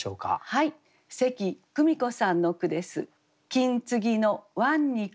はい関久美子さんの句です。